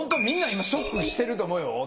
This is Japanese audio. みんな今ショックしてると思うよ。